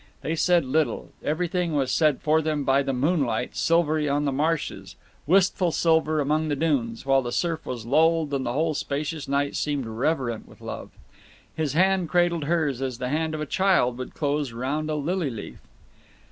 They said little everything was said for them by the moonlight, silvery on the marshes, wistful silver among the dunes, while the surf was lulled and the whole spacious night seemed reverent with love. His hand cradled hers as the hand of a child would close round a lily leaf.